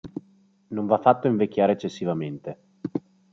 Non va fatto invecchiare eccessivamente.